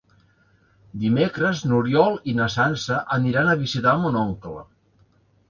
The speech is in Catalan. Dimecres n'Oriol i na Sança aniran a visitar mon oncle.